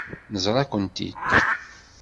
Neẓra-kent-id.